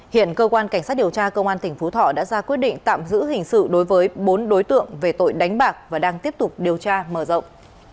hiện cơ quan cảnh sát điều tra công an tỉnh phú thọ đã ra quyết định tạm giữ hình sự đối với bốn đối tượng về tội đánh bạc và đang tiếp tục điều tra mở rộng